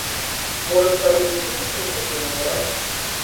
Можа, старыя інстынкты не хацелі ўміраць?